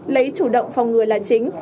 lấy chủ động phòng người là chính